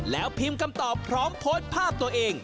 แล้วพิมพ์คำตอบพร้อมโพสต์ภาพตัวเอง